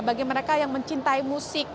bagi mereka yang mencintai musik